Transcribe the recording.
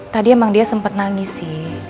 tadi emang dia sempat nangis sih